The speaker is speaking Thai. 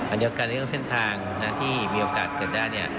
เดียวกันในเรื่องเส้นทางที่มีโอกาสเกิดได้เนี่ย